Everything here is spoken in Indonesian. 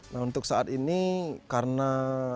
nah untuk saat ini karena